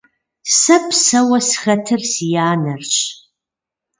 Сэ псэуэ схэтыр си анэрщ.